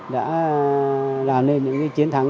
đã làm nên những chiến thắng